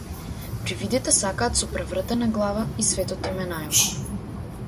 Привидите сакаат со превртена глава и светот им е најубав.